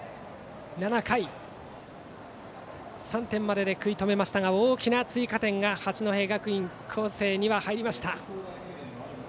７回、３点までで食い止めましたが大きな追加点が八戸学院光星に入りました。